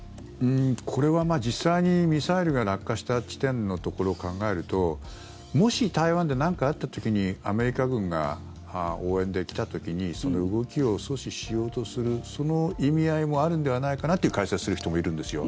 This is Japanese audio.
これは実際にミサイルが落下した地点のところを考えるともし台湾で何かあった時にアメリカ軍が応援で来た時にその動きを阻止しようとするその意味合いもあるのではないかという解説をする人もいるんですよ。